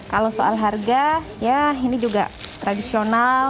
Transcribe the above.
kalau soal harga ya ini juga tradisional